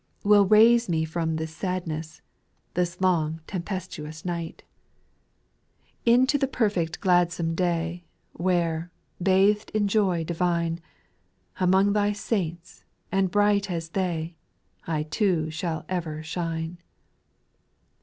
Will raise me from thia s«t^xv^^^ This long tempestuous. tv\^\V.^ 80 «88 SPIRITUAL SONGS, Into the perfect gladsome day, Where, bathed in joy divine, Among Thy saints, and bright as they, I too shall ever shine.